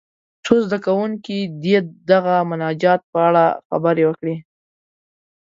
څو زده کوونکي دې د دغه مناجات په اړه خبرې وکړي.